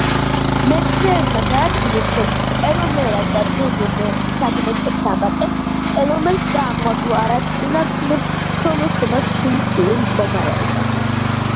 მეცნიერებმა დაადგინეს, რომ ტელომერაზა დნმ ფრაგმენტებს ამატებს ტელომერს და ამგვარად უნარჩუნებს ქრომოსომას ფუნქციურ მდგრადობას.